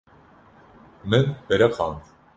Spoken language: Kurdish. Min biriqand.